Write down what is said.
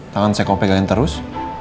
tangan saya kok pegalin terus